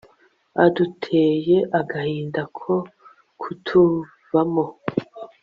aduteye agahinda ko kutuvamo